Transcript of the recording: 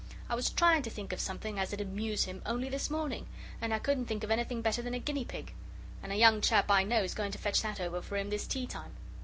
I was trying to think of something as 'ud amuse him only this morning, and I couldn't think of anything better than a guinea pig. And a young chap I know's going to fetch that over for him this tea time."